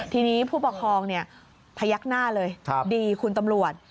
ทีนี้ผู้ปกครองพยักหน้าเลยดีคุณตำรวจ